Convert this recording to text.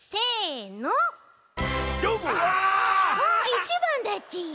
１ばんだち。